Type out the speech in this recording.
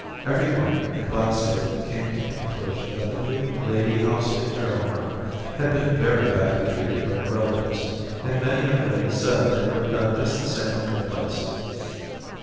Everyone in Blackstable came to the con clusion that the new Lady Ously Farrow ham had been very badly treated by her relatives, and many young ladies said they would have done just the same in her place.